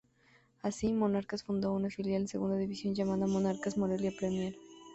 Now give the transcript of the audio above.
Así, Monarcas fundó su filial de Segunda División llamándola "Monarcas Morelia Premier".